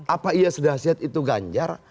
apa iya sedah sihat itu ganjar